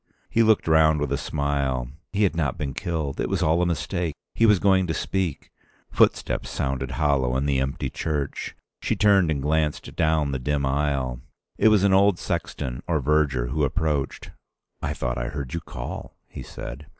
He looked round with a smile. He had not been killed. It was all a mistake. He was going to speak. ... Footsteps sounded hollow in the empty church. She turned and glanced down the dim aisle. It was an old sexton or verger who approached. "I thought I heard you call," he said.